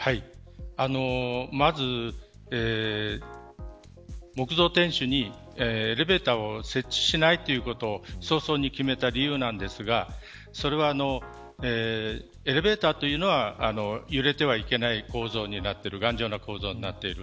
まず、木造天守にエレベーターを設置しないことを早々に決めた理由なんですがそれは、エレベーターというのは揺れてはいけない構造になっている頑丈な構造になっている。